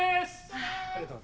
あっありがとう。